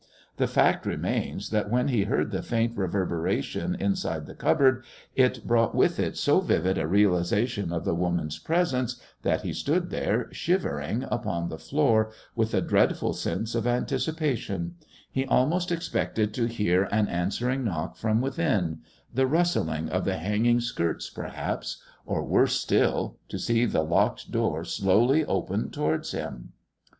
The fact remains that when he heard the faint reverberation inside the cupboard, it brought with it so vivid a realisation of the woman's presence that he stood there shivering upon the floor with a dreadful sense of anticipation: he almost expected to hear an answering knock from within the rustling of the hanging skirts perhaps or, worse still, to see the locked door slowly open towards him.